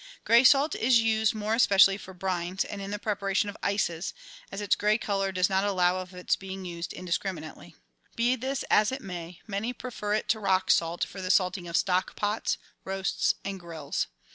Grey salt is used more especially for Brines and in the preparation of ices, as its grey colour does not allow of its being used indiscriminately. Be this as it may, many prefer it to rock salt for the salting of stock pots, roasts, and grills.